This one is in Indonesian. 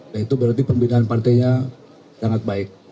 dan itu berarti pembinaan partainya sangat baik